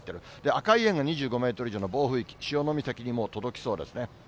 赤い円が２５メートル以上の暴風域、潮岬にも届きそうですね。